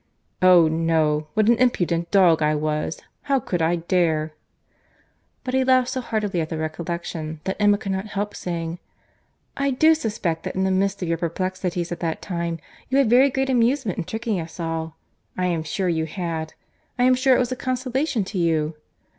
"Oh! no—what an impudent dog I was!—How could I dare—" But he laughed so heartily at the recollection, that Emma could not help saying, "I do suspect that in the midst of your perplexities at that time, you had very great amusement in tricking us all.—I am sure you had.—I am sure it was a consolation to you."